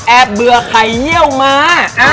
แอบเบื่อไข่เงี่ยวมา